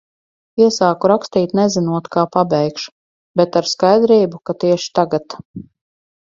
Iesāku rakstīt, nezinot, kā pabeigšu, bet ar skaidrību, ka tieši tagad.